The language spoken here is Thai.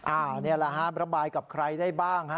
อ้าวนี่แหละครับระบายกับใครได้บ้าง